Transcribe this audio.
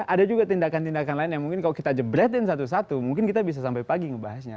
ada juga tindakan tindakan lain yang mungkin kalau kita jebretin satu satu mungkin kita bisa sampai pagi ngebahasnya